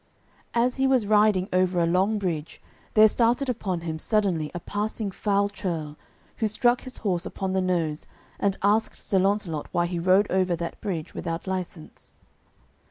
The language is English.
As he was riding over a long bridge there started upon him suddenly a passing foul churl, who struck his horse upon the nose and asked Sir Launcelot why he rode over that bridge without licence.